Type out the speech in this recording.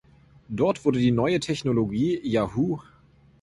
Dort wurde die neue Technologie "Yahoo!